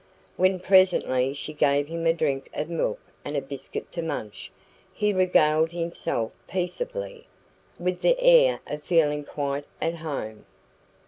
When presently she gave him a drink of milk and a biscuit to munch, he regaled himself peaceably, with the air of feeling quite at home.